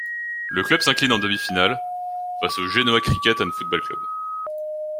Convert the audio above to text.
Le club s'incline en demi-finale face au Genoa Cricket and Football Club.